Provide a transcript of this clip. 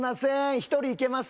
一人いけます？